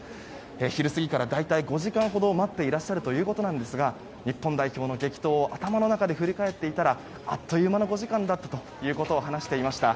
昼過ぎから大体５時間ほど待っていらっしゃるということですが日本代表の激闘を頭の中で振り返っていたらあっという間の期間だったという方もいました。